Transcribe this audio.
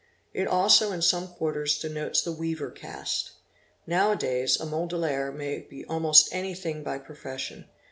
It also in some quarters denotes the weaver caste. Now a days a Mudaliay may be almost anything by profession.